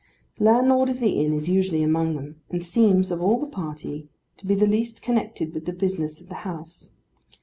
The landlord of the inn is usually among them, and seems, of all the party, to be the least connected with the business of the house.